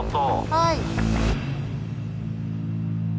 はい。